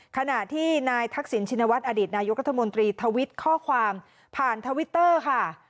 ขณะที่นายทักษิณชินวัฒนอดีตนายกรัฐมนตรีทวิตข้อความผ่านทวิตเตอร์ค่ะ